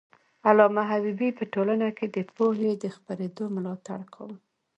علامه حبيبي په ټولنه کي د پوهې د خپرېدو ملاتړ کاوه.